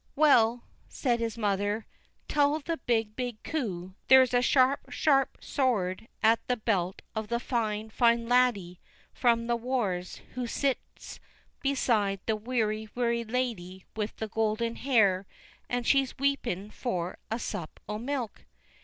"Well," said his mother, "tell the big, big coo there's a sharp, sharp sword at the belt of the fine, fine laddie from the wars who sits beside the weary, weary lady with the golden hair, and she weeping for a sup o' milk."